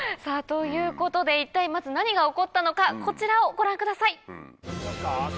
さぁということで一体まず何が起こったのかこちらをご覧ください。